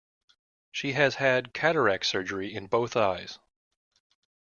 She has had cataract surgery in both eyes.